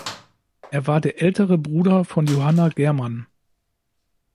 Er war der ältere Bruder von Johanna Germann.